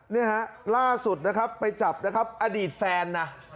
เนี่ยฮะล่าสุดนะครับไปจับนะครับอดีตแฟนนะ